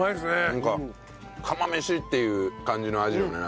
なんか釜飯っていう感じの味よね。